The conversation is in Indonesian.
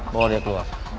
bawa dia keluar